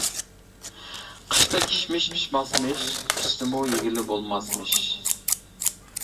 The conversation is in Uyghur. قىشتا كىشمىش پىشماسمىش، پىشسىمۇ يېگىلى بولماسمىش.